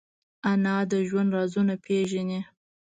انا د ژوند رازونه پېژني